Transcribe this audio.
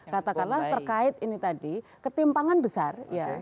katakanlah terkait ini tadi ketimpangan besar ya